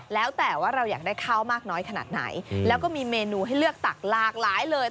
แล้วแต่ว่าเราอยากได้ข้าวมากน้อยขนาดไหนแล้วก็มีเมนูให้เลือกตักหลากหลายเลย